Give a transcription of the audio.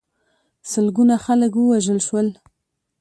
سلګونه خلک ووژل شول.